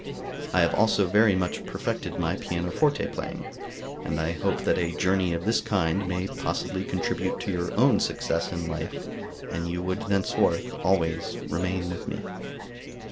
I have also very much perfected my pianoforte playing, and I hope that a journey of this kind may possibly contribute to your own success in life, and you would thenceforth always remain with me.